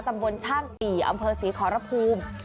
ตำบลชาติอำเภอศรีขอระภูมิ